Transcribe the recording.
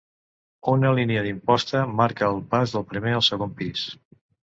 Una línia d'imposta marca el pas del primer al segon pis.